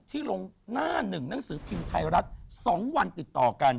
ลงหน้าหนึ่งหนังสือพิมพ์ไทยรัฐ๒วันติดต่อกัน